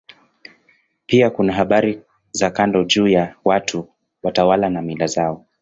Pia kuna habari za kando juu ya watu, watawala na mila zao.